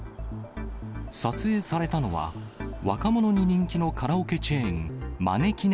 撮影されたのは、若者に人気のカラオケチェーン、まねきね